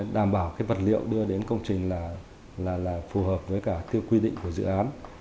đảm bảo cái vật liệu đưa đến công trình là là là phù hợp với cả tiêu quy định của dự án